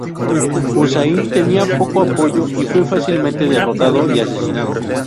Husayn tenía poco apoyo y fue fácilmente derrotado y asesinado.